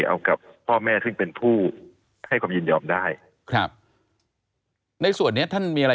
เอากับพ่อแม่ซึ่งเป็นผู้ให้ความยินยอมได้ครับในส่วนนี้ท่านมีอะไร